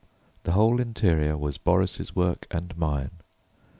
The whole interior was Boris' work and mine.